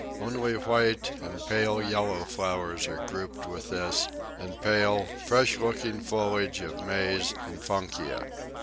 Only white and pale yellow flowers are grouped with this, and pale, fresh looking foliage of maize and Funkia.